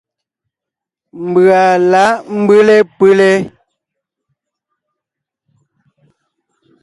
Mbʉ̀a lǎʼ mbʉ́le pʉ́le.